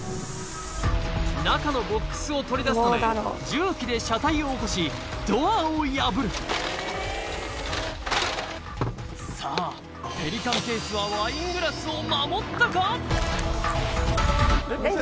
中のボックスを取り出すため重機で車体を起こしドアを破るさあペリカンケースはワイングラスを守ったか？